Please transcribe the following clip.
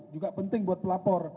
juga penting buat pelapor